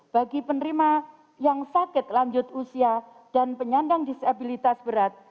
bagi penerima yang sakit lanjut usia dan penyandang disabilitas berat